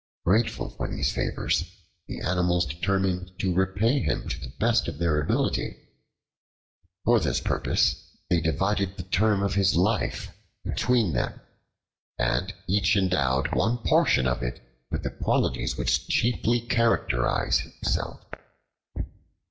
Grateful for these favors, the animals determined to repay him to the best of their ability. For this purpose, they divided the term of his life between them, and each endowed one portion of it with the qualities which chiefly characterized himself.